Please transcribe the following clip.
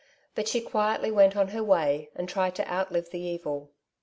But she quietly went on her way, and tried to out live the evil.